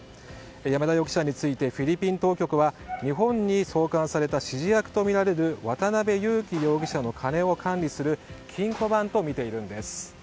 山田容疑者についてフィリピン当局は日本に送還された指示役とみられる渡辺優樹容疑者の金を管理する金庫番とみているんです。